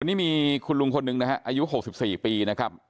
วันนี้มีคุณลุงคนนึงนะครับอายุหกสิบสี่ปีนะครับ